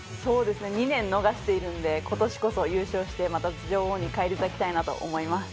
２年逃しているので、ことしこそ優勝して、また女王に返り咲きたいなと思います。